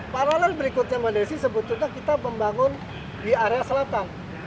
paralel berikutnya mbak desi sebetulnya kita membangun di area selatan